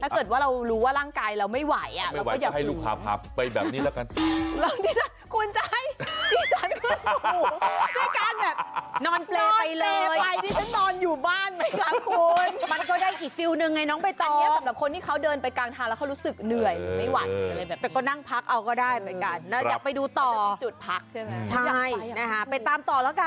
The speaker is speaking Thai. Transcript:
คุณก๊อบทัศนัยเคยขึ้นภูกระดืม